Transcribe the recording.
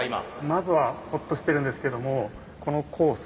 まずはホッとしてるんですけどもこのコース